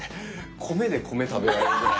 米で米食べられるぐらい。